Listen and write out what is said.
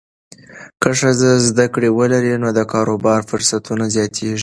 که ښځه زده کړه ولري، نو د کاروبار فرصتونه زیاتېږي.